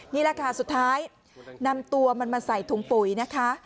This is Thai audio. นี่แหละค่ะสุดท้ายนำตัวมันมาใส่ถุงปุ๋ยนะคะ